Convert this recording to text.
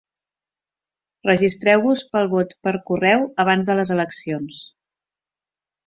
Registreu-vos per al vot per correu abans de les eleccions